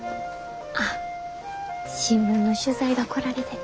あっ新聞の取材が来られてて。